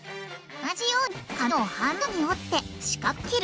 同じように紙を半分に折って四角く切る。